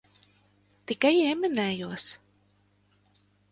Tikai ieminējos.